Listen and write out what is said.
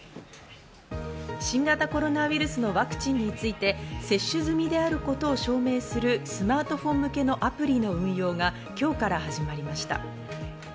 新型コロナウイルスのワクチンについて接種済みであることを証明するスマートフォン向けのアプリの運用が今日から始まりました。